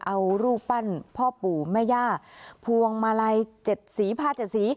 เอารูปปั้นพ่อปู่แม่ย่าพวงมาลัย๗สีผ้า๗สี